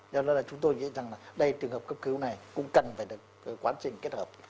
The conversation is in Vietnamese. do đó là chúng tôi nghĩ rằng là đây trường hợp cấp cứu này cũng cần phải được quá trình kết hợp